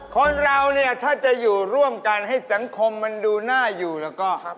คนเราเนี่ยถ้าจะอยู่ร่วมกันให้สังคมมันดูน่าอยู่แล้วก็